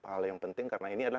hal yang penting karena ini adalah